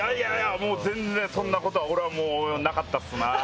全然そんなこと俺はなかったっすな。